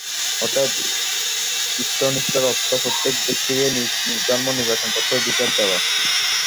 অতএব ইষ্টনিষ্ঠার অর্থ প্রত্যেক ব্যক্তিকে নিজ নিজ ধর্ম নির্বাচন করিতে অধিকার দেওয়া।